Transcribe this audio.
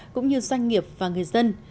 cũng như doanh nghiệp và người dân